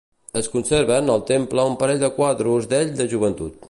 Es conserven al temple un parell de quadros d'ell de joventut.